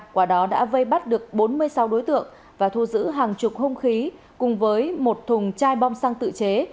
quả đó đã vây bắt được bốn mươi sáu đối tượng và thu giữ hàng chục hung khí cùng với một thùng chai bom xăng tự chế